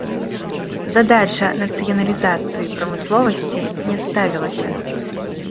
Задача нацыяналізацыі прамысловасці не ставілася.